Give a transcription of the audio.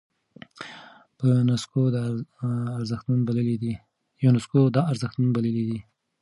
يونسکو دا ارزښتمن بللی دی.